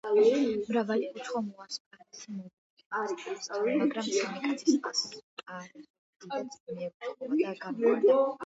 მრავალი უცხო მოასპარეზე მოვიდა ხელმწიფესთან, მაგრამ სამი კაცის ასპარეზობა დიდად მეუცხოვა და გამიკვირდა.